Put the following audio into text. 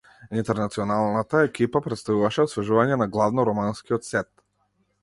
Интернационалната екипа претставуваше освежување на главно романскиот сет.